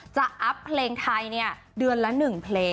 จะอัพเพลงไทยเนี่ยเดือนละหนึ่งเพลง